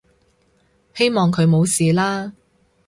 希望佢冇事啦